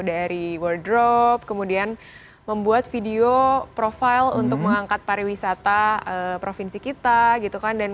dari wardrobe kemudian membuat video profile untuk mengangkat pariwisata provinsi kita gitu kan